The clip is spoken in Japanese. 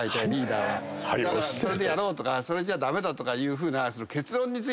だからそれでやろうとかそれじゃ駄目だとかいうふうな。